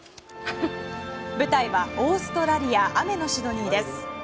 舞台はオーストラリア雨のシドニーです。